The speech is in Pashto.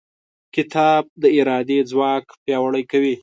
کتاب د ارادې ځواک پیاوړی کوي.